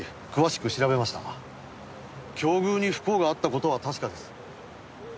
境遇に不幸があった事は確かです。